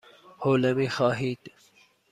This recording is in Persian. حوله می خواهید؟